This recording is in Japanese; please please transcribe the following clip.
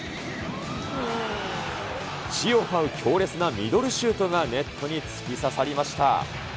地をはう強烈なミドルシュートがネットに突き刺さりました。